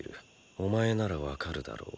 お前ならわかるだろう。